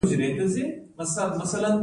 د ویښتو د نرمیدو لپاره کوم ماسک وکاروم؟